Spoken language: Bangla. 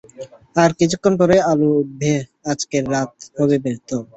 আর কিছুক্ষণ পরেই আলো উঠবে, আজকের রাত হবে ব্যর্থ।